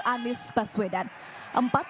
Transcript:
anies baswedan empat